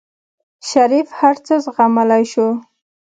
شريف هر څه زغملی شو.